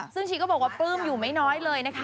ซึ่งชีก็บอกว่าปลื้มอยู่ไม่น้อยเลยนะคะ